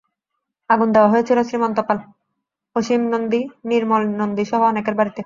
আগুন দেওয়া হয়েছিল শ্রীমন্ত পাল, অসীম নন্দী, নির্মল নন্দীসহ অনেকের বাড়িতে।